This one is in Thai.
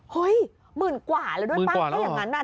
เฮ้ยหมื่นกว่าเลยโดนปรับก็อย่างนั้นนะหมื่นกว่าแล้วหรอ